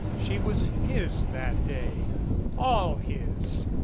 She was his that day all his.